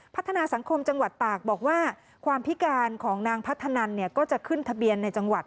พัฒนาสังคมจังหวัดตากบอกว่าความพิการของนางพัฒนันเนี่ยก็จะขึ้นทะเบียนในจังหวัด